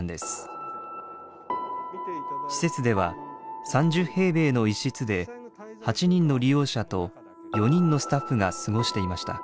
施設では３０平米の一室で８人の利用者と４人のスタッフが過ごしていました。